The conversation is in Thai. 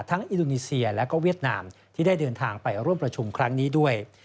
อินโดนีเซียและก็เวียดนามที่ได้เดินทางไปร่วมประชุมครั้งนี้ด้วย